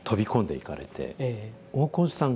大河内さん